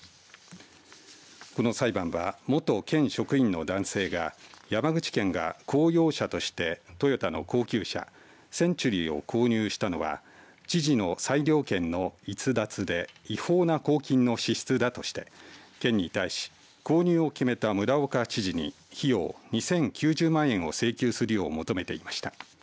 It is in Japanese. この裁判は、元県職員の男性が山口県が公用車としてトヨタの高級車センチュリーを購入したのは知事の裁量権の逸脱で違法な公金の支出だとして県に対し購入を決めた村岡知事に費用２０９０万円を請求するよう求めていました。